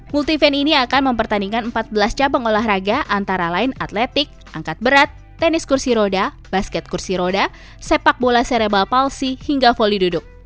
multi event ini akan mempertandingkan empat belas cabang olahraga antara lain atletik angkat berat tenis kursi roda basket kursi roda sepak bola serebal palsi hingga voli duduk